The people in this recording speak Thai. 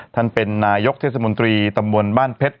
ท่านเป็นนายกเทศมนตรีตำบลบ้านเพชร